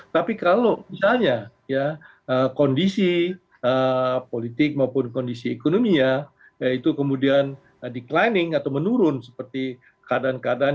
tapi kalau misalnya kondisi politik maupun kondisi ekonominya itu kemudian menurun seperti keadaan keadaan